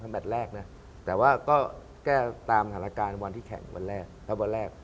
แมทแรกนะแต่ว่าก็แก้ตามสถานการณ์วันที่แข่งวันแรกถ้าวันแรก